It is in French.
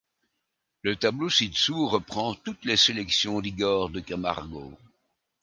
Le tableau ci-dessous reprend toutes les sélections d'Igor de Camargo.